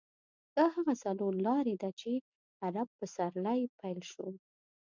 دا هغه څلور لارې ده چې عرب پسرلی پیل شو.